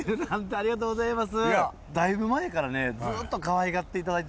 ありがとうございます。